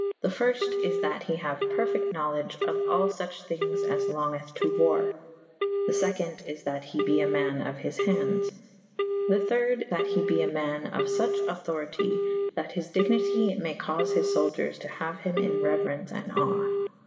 The fyrfte is / that he haue perfyte knowlege of all fuche thynges as longeth to warre. The feconde is that he be a man of his handes. The thyrde that he be a ma« of fuche auctority : that his dignity maye [D viii a] caufe his fouldiers to haue hym in reuerence & awe.